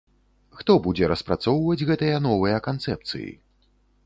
Хто будзе распрацоўваць гэтыя новыя канцэпцыі?